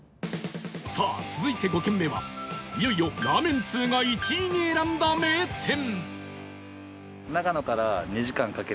さあ続いて５軒目はいよいよラーメン通が１位に選んだ名店